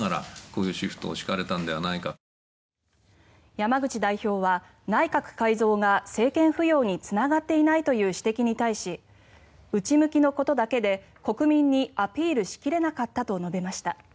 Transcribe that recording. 山口代表は内閣改造が政権浮揚につながっていないという指摘に対し内向きのことだけで国民にアピールしきれなかったと述べました。